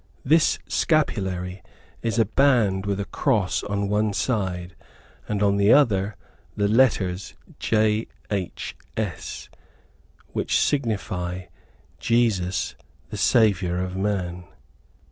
This Scapulary is a band with a cross on one side, and on the other, the letters "J. H. S." which signify, "Jesus The Savior of Man."